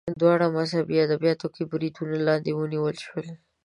دواړه مذهبي ادبیاتو کې بریدونو لاندې ونیول شول